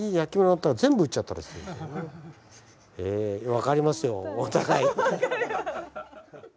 へぇ分かりますよお互い。